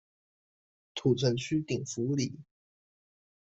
土城區頂福里